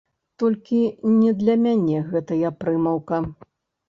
Толькі не для мяне гэтая прымаўка!